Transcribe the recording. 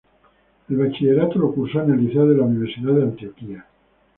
El bachillerato lo cursó en el Liceo de la Universidad de Antioquia.